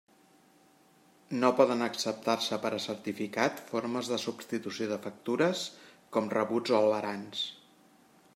No poden acceptar-se per a certificat formes de substitució de factures, com rebuts o albarans.